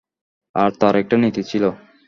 আর তার একটা নীতি ছিল।